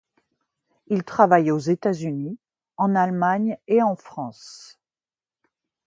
Il travaille aux États-Unis, en Allemagne et en France.